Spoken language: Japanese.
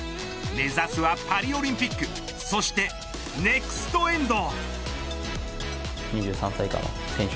目指すはパリオリンピックそしてネクスト遠藤。